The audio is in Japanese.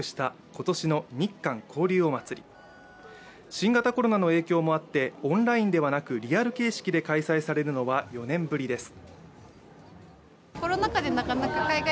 新型コロナの影響もあってオンラインではなくリアル形式で開催されるのは４年ぶりです。